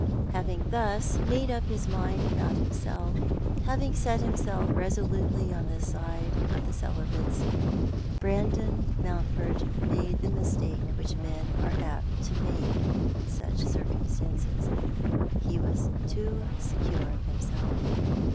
Having thus made up his mind about himself— having set himself resolutely on the side of the celibates — Brandon Mount ford made the mistake which men are apt to make in such circumstances. He was too secure of himself.